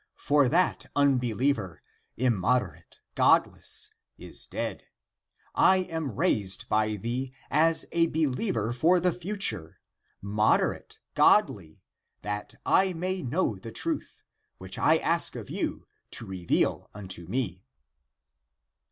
For that un believer, immoderate, godless, is dead; I am raised by thee as a believer for the future, < moderate >, godly, that I may know the truth, which I ask of you to reveal unto me."